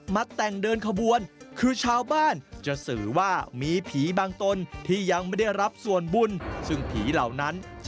มาแต่งเดินขบวน